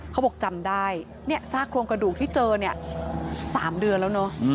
เขาบอกจำได้เนี่ยซากโครงกระดูกที่เจอเนี่ย๓เดือนแล้วเนอะ